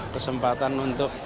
kesempatan untuk hidup